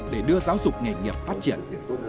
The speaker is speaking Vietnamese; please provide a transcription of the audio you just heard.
để đưa giáo dục nghề nghiệp phát triển